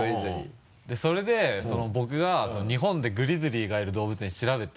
それで僕が日本でグリズリーがいる動物園調べて。